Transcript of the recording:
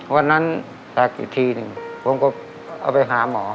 วันนั้นตักอีกทีหนึ่งผมก็เอาไปหาหมอ